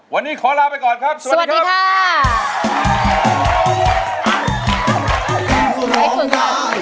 วันนี้ขอลาไปก่อนครับสวัสดีครับ